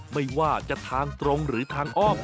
ไม่ว่าจะทางตรงหรือทางอ้อม